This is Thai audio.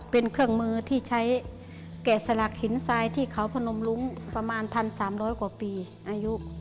เป็นเครื่องมือที่ใช้แกะสลักหินทรายที่เขาพนมรุ้งประมาณ๑๓๐๐กว่าปีอายุ